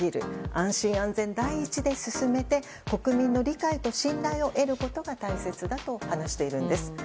安心・安全第一で進めて国民の理解と信頼を得ることが大切だと話しているんです。